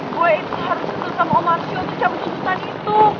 gue itu harus jatuh sama omar sio untuk cabutin busan itu